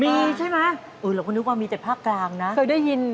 มีใช่ไหมเราก็นึกว่ามีแต่ภาคกลางนะเคยได้ยิน